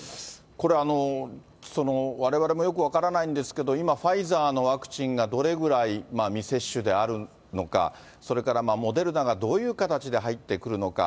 これ、われわれもよく分からないんですけれども、今、ファイザーのワクチンがどれぐらい未接種であるのか、それからモデルナがどういう形で入ってくるのか。